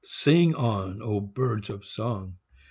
Sing on, O birds of song!